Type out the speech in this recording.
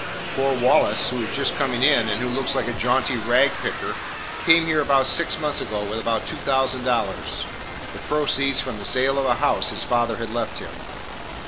Poor Wallace, who is just coming in, and who looks like a jaunty ragpicker, came here about six months ago with about two thousand dollars, the proceeds from the sale of a house his father had left him.